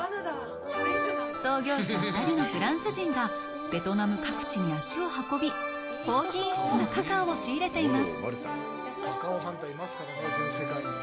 創業者２人のフランス人がベトナム各地に足を運び、高品質なカカオを仕入れています。